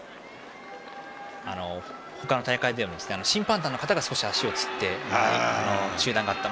ほかの大会では審判団の方が足をつって中断があったと。